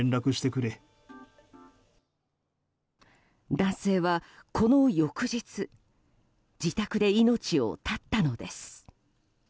男性はこの翌日自宅で命を絶ったのです。